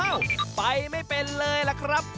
ไปไม่เป็นเลยล่ะครับ